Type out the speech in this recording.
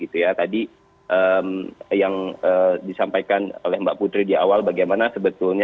tadi yang disampaikan oleh mbak putri di awal bagaimana sebetulnya